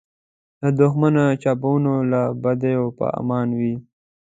له دښمنو چپاوونو له بدیو په امان وي.